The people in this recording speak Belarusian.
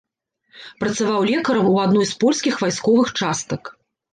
Працаваў лекарам у адной з польскіх вайсковых частак.